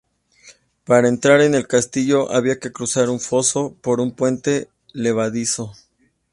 Para entrar en el castillo había que cruzar un foso por un puente levadizo.